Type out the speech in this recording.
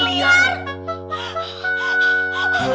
cepet cari paman